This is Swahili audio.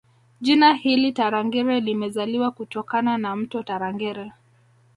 Jina hili Tarangire limezaliwa kutokana na mto Tarangire